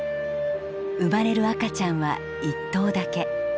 生まれる赤ちゃんは１頭だけ。